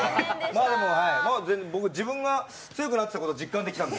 まあでも、僕自分が強くなったこと実感できたんで。